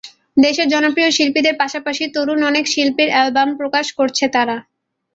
দেশের জনপ্রিয় শিল্পীদের পাশাপাশি তরুণ অনেক শিল্পীর অ্যালবাম প্রকাশ করছে তারা।